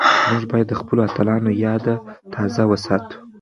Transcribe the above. موږ بايد د خپلو اتلانو ياد تازه وساتو.